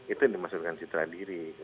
itu yang dimaksudkan citra diri